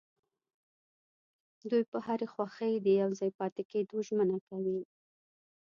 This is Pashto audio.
دوی په هرې خوښۍ کې د يوځای پاتې کيدو ژمنه کوي.